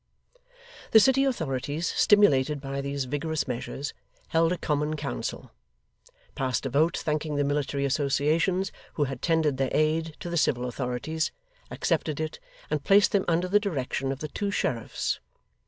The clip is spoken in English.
The City authorities, stimulated by these vigorous measures, held a Common Council; passed a vote thanking the military associations who had tendered their aid to the civil authorities; accepted it; and placed them under the direction of the two sheriffs.